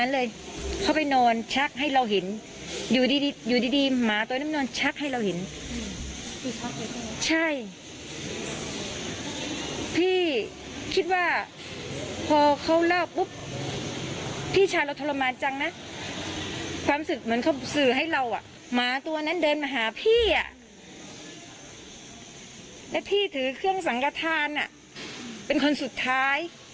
แล้วพี่ถือเครื่องสังกฐานเป็นคนสุดท้าย